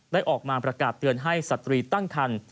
ได้ออกมาประกาศเตือนให้สตรีตั้งคัน